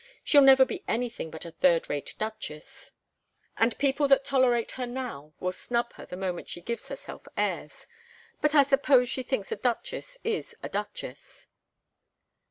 She'll never be anything but a third rate duchess, and people that tolerate her now will snub her the moment she gives herself airs. But I suppose she thinks a duchess is a duchess."